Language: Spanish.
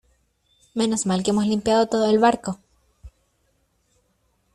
menos mal que hemos limpiado todo el barco ;